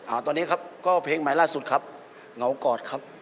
อ่าตอนนี้ครับก็เพลงใหม่ล่าสุดครับเหงากอดครับ